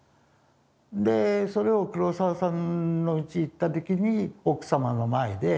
でそれを黒澤さんのうち行った時に奥様の前で話をして。